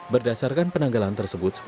berdasarkan penanggalan tersebut